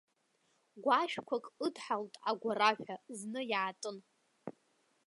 Гәашәқәак ыдҳалт агәараҳәа, зны иаатын.